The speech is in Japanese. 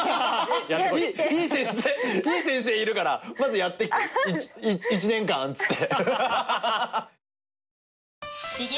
「いい先生いるからまずやってきて１年間」って。